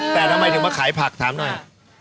แต่ทำไมถึงมาขายผักถามหน่อย